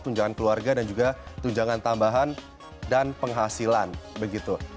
tunjangan keluarga dan juga tunjangan tambahan dan penghasilan begitu